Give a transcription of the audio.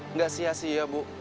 nggak sia sia bu